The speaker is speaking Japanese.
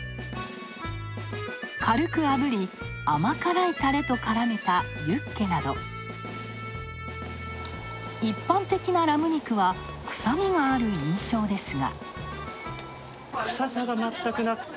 軽くあぶり、甘辛いタレとからめたユッケなど一般的なラム肉は臭みがある印象ですが。